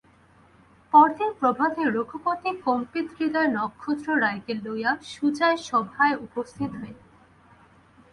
পরদিন প্রভাতে রঘুপতি কম্পিতহৃদয় নক্ষত্ররায়কে লইয়া সুজার সভায় উপস্থিত হইলেন।